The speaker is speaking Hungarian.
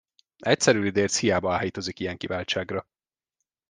Egyszerű lidérc hiába áhítozik ilyen kiváltságra.